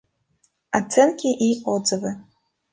Оценки и отзывы